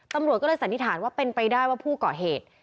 ตำรวจก็เลยสันนิษฐานว่าเป็นไปได้ว่าผู้ก่อเหตุ